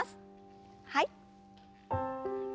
はい。